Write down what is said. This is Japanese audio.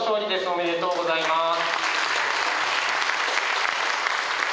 おめでとうございます。